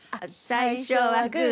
最初はグー。